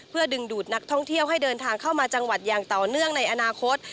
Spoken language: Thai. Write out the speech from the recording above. เพื่อดึงดูดนักท่องเที่ยวให้เดินทางเข้ามาจังหวัดอย่างต่อเนื่องในอนาคต